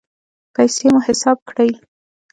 پیسې مو حساب کړئ